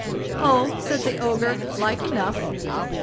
"Ah!" said the Ogre, "like enough."